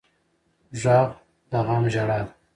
غږ د غم ژړا ده